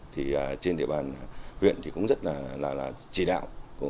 thì trên địa bàn huyện thì cũng rất là chỉ đạo